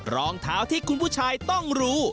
รองเท้าที่คุณผู้ชายต้องรู้